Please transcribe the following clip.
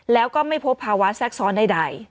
แล้วก็ไม่พบภาวะแทรกซ้อนใด